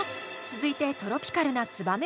続いてトロピカルな「ツバメ」アレンジ。